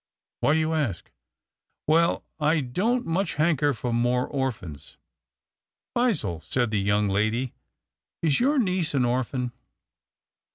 Why do you ask? "" Well, I don't much hanker for more orphans." " Phizelle," said the young lady, " is your niece an orphan?